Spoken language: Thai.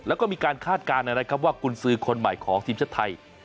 แล้วก็มีการคาดการณ์นะครับว่ากุญสือคนใหม่ของทีมชาติไทย